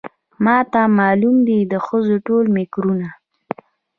ماته معلومه دي د ښځو ټول مکرونه